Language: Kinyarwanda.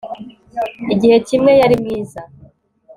igihe kimwe yari mwiza